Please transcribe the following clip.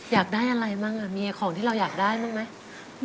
อยากได้อะไรบ้างเมียของที่เราอยากได้บ้างไหม